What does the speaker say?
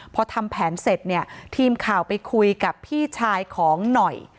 พอทำแผนเสร็จเนี่ยทีมข่าวไปคุยกับพี่ชายของหน่อย